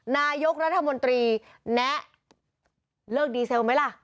นายกรัฐมนตรีแนะเลิกดีเซลไหมล่ะ